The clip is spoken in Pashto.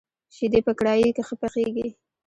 شيدې په کړايي کي ښه پخېږي.